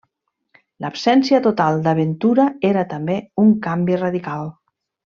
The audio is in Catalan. L'absència total d'aventura era també un canvi radical.